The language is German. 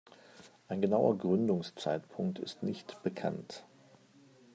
Ein genauer Gründungszeitpunkt ist nicht bekannt.